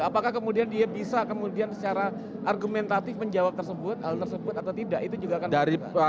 apakah kemudian dia bisa kemudian secara argumentatif menjawab hal tersebut atau tidak itu juga akan menjadi